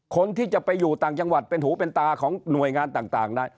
คนที่จะไปอยู่ต่างจังหวัดเป็นหูเป็นตาของหน่วยงานต่างได้